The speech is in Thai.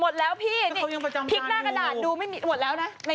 หมดแล้วพี่พลิกหน้ากระดาษหมดแล้วนะ